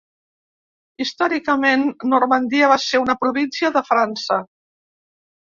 Històricament, Normandia va ser una província de França.